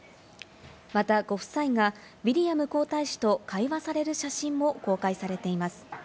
またご夫妻がウィリアム皇太子と会話される写真も公開されています。